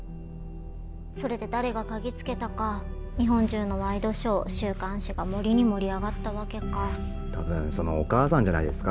それで誰が嗅ぎつけたか日本中のワイドショー週刊誌が盛りに盛り上がったわけかたぶんそのお母さんじゃないですか？